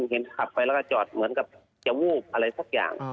เห็นขับไปแล้วก็จอดเหมือนกับจะวูบอะไรสักอย่าง